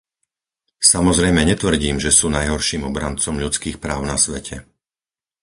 Samozrejme, netvrdím, že sú najhorším obrancom ľudských práv na svete.